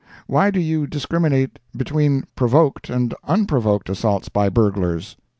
Why do you discriminate between Provoked and Unprovoked Assaults by Burglars?